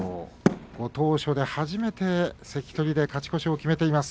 ご当所で初めて関取で勝ち越しを決めています。